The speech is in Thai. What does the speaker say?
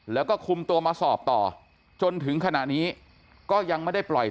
แล้วก็คุมตัวมาสอบต่อจนถึงขณะนี้ก็ยังไม่ได้ปล่อย